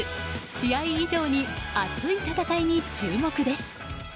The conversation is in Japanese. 試合以上に熱い戦いに注目です。